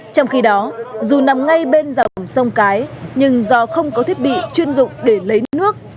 trong khi đó dù nằm ngay bên dòng sông cái nhưng do không có thiết bị chuyên dụng để lấy nước